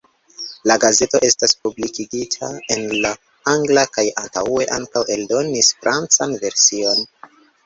La gazeto estas publikigita en la angla kaj antaŭe ankaŭ eldonis francan version.